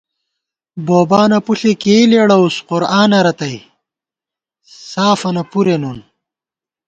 بوبانہ پُݪے کېئ لېڑَوُس قرآنہ رتئ، سافَنہ پُرے نُن